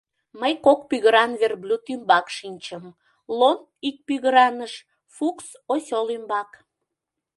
Мый кок пӱгыран верблюд ӱмбак шинчым, Лом — ик пӱгыраныш, Фукс — осёл ӱмбак.